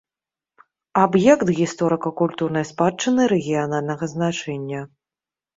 Аб'ект гісторыка-культурнай спадчыны рэгіянальнага значэння.